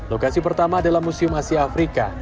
lokasi pertama adalah museum asia afrika